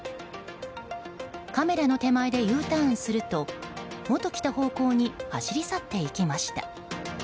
カメラの手前でＵターンすると元来た方向に走り去っていきました。